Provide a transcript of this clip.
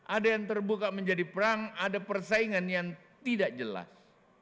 ada yang terbuka menjadi perang ada persaingan yang tidak jelas